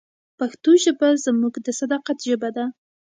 پښتو ژبه زموږ د صداقت ژبه ده.